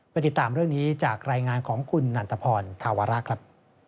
ติดตามเรื่องนี้จากรายงานของคุณนันทพรธาวระครับ